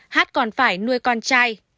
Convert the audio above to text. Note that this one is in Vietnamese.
h còn phải nuôi con trai